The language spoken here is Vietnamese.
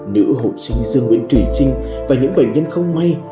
nữ hộ sinh dương nguyễn thủy trinh và những bệnh nhân không may